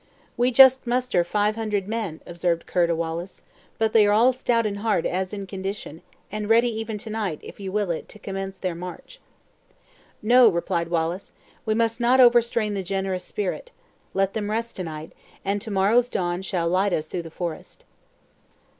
"We just muster five hundred men!" observed Ker to Wallace; "but they are all stout in heart as in condition, and ready, even to night, if you will it, to commence their march." "No," replied Wallace; "we must not overstrain the generous spirit. Let them rest to night, and to morrow's dawn shall light us through the forest."